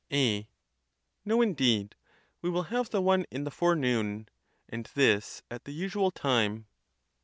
A. No, indeed; we will have the one in the forenoon, and this at the usual time.